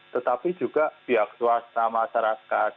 tetapi juga pihak swasta masyarakat